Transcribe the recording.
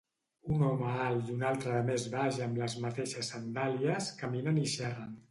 Un home alt i un altre de més baix amb les mateixes sandàlies caminen i xerren.